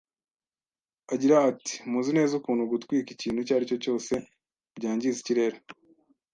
agira at: “Muzi neza ukuntu gutwika ikintu icyo ari cyo cyose byangiza ikirere